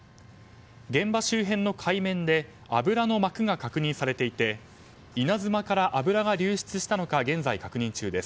現場周辺の海域で油の膜が確認されていて「いなづま」から油が流出したのか現在確認中です。